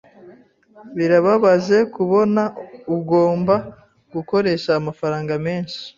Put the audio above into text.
Birababaje kubona ugomba gukoresha amafaranga menshi.